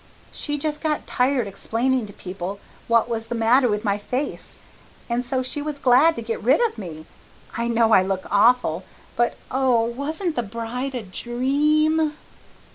She just got tired explaining to people what was the matter with my face, and so she was glad to get rid of me. I know I look awful, but, oh, wasn't the bride a dream?"